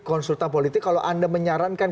konsultan politik kalau anda menyarankan